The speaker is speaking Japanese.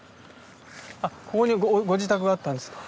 あっここにご自宅があったんですか？